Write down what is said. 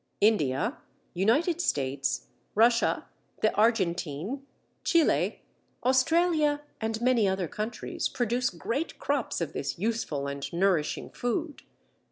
India, United States, Russia, the Argentine, Chile, Australia, and many other countries, produce great crops of this useful and nourishing food.